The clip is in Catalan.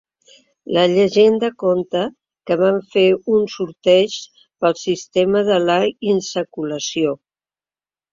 La llegenda conta que van fer un sorteig pel sistema de la insaculació.